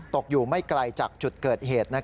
ตกอยู่ไม่ไกลจากจุดเกิดเหตุ